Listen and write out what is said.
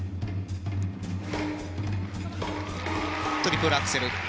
トリプルアクセル。